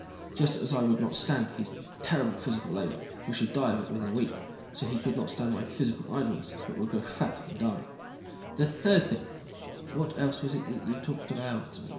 Just as I could not stand his terrible physical labor but should die of it in a week, so he could not stand my physical idleness, but would grow fat and die. The third thing—what else was it you talked about?"